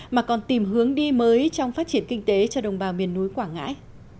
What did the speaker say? mà còn tìm hướng đi mới trong phát triển kinh tế cho đồng bào miền núi quảng ngãi